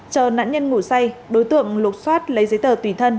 chờ nạn nhân ngủ say đối tượng lục xoát lấy giấy tờ tùy thân